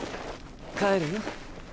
帰るよ。